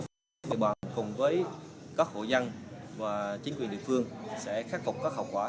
cùng với các hộ dân và chính quyền địa phương sẽ khắc phục các hậu quả